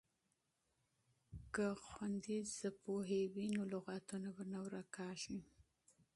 که خویندې ژبپوهې وي نو لغاتونه به نه ورکیږي.